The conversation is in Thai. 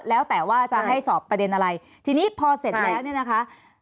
แล้วแต่ว่าจะให้สอบประเด็นอะไรทีนี้พอเสร็จแล้วเนี่ยนะคะ